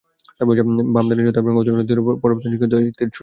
ডান-বামের চত্বর এবং অনতি দূরের পর্বত শৃঙ্গ হতে এ সমস্ত তীর ছুটে আসে।